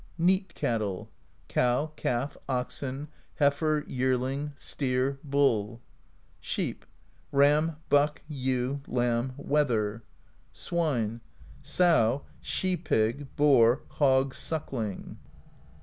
Neat Cattle : Cow, calf, oxen, heifer, yearling, steer, bull. Sheep: Ram, buck, ewe, lamb, wether. Swine : Sow, she pig, boar, hog, suckling.